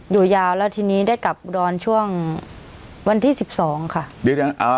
อยู่ยาวแล้วทีนี้ได้กลับอุดรนช่วงวันที่๑๒ค่ะ